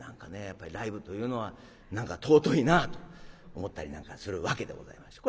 やっぱりライブというのは何か尊いなと思ったりなんかするわけでございまして。